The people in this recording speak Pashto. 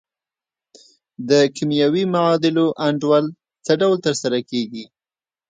د کیمیاوي معادلو انډول څه ډول تر سره کیږي؟